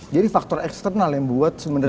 jadi faktor eksternal yang buat sebenarnya kita